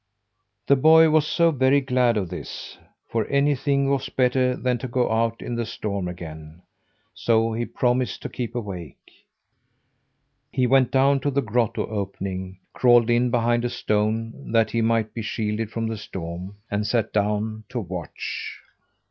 The boy was so very glad of this for anything was better than to go out in the storm again so he promised to keep awake. He went down to the grotto opening, crawled in behind a stone, that he might be shielded from the storm, and sat down to watch.